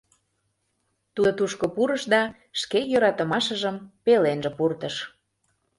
Тудо тушко пурыш да Шке йӧратымашыжым пеленже пуртыш.